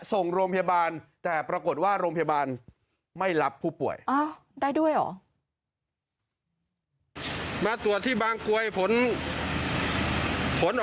ส่งโรงพยาบาลแต่ปรากฏว่าโรงพยาบาล